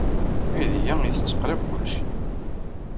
Aydi-a yettett qrib kullec.